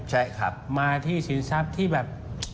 ใช่ครับมาที่สินทรัพย์ที่แบบ